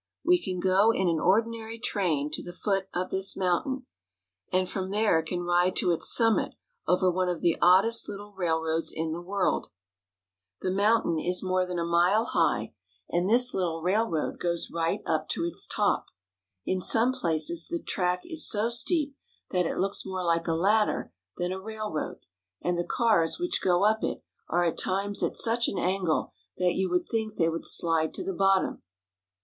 We can go in an ordinary train to the foot of this mountain, and from there can ride to its summit over one of the oddest little railroads in the world. The mountain 86 NEW ENGLAND. Railroad up Mount Washington. is more than a mile high, and this Httle railroad goes right up to its top. In some places the track is so steep that it looks more like a ladder than a railroad, and the cars which go up it are at times at such an angle that you would think they would slide to the bottom.